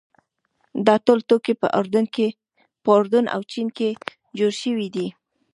دا ټول توکي په اردن او چین کې جوړ شوي دي.